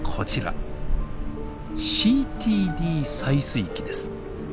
ＣＴＤ採水器です。